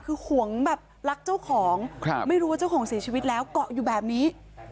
คือห่วงแบบรักเจ้าของไม่รู้ว่าเจ้าของเสียชีวิตแล้วเกาะอยู่แบบนี้